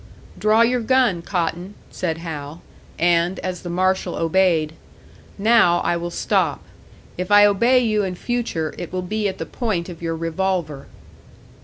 "Draw your gun, Cotton," said Hal; and, as the marshal obeyed, "Now I will stop. If I obey you in future, it will be at the point of your revolver."